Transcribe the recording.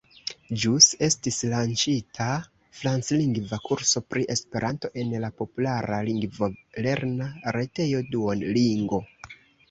Ĵus estis lanĉita franclingva kurso pri Esperanto en la populara lingvolerna retejo Duolingo.